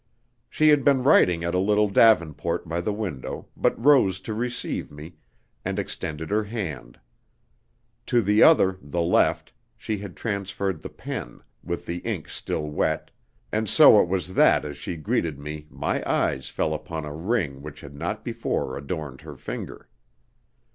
She had been writing at a little davenport by the window, but rose to receive me, and extended her hand. To the other the left she had transferred the pen, with the ink still wet, and so it was that as she greeted me my eyes fell upon a ring which had not before adorned her finger.